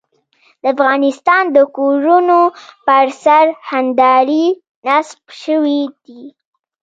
د افغانستان د کورونو پر سر هندارې نصب شوې دي.